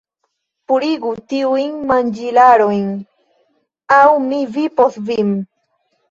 Purigu tiujn manĝilarojn! aŭ mi vipos vin!